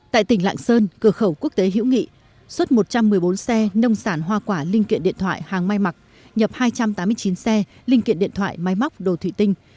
tại tỉnh lạng sơn cửa khẩu quốc tế hữu nghị xuất một trăm một mươi bốn xe nông sản hoa quả linh kiện điện thoại hàng may mặc nhập hai trăm tám mươi chín xe linh kiện điện thoại máy móc đồ thủy tinh